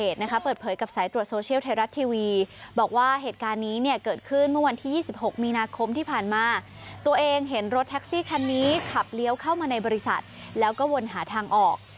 ตัวเองเห็นรถแท็กซี่คันนี้ขับเลี้ยวเข้ามาในบริษัทแล้วก็วนหาทางออก